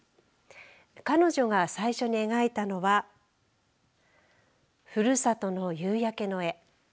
彼女が最初に描いたのはふるさとの夕焼けの絵。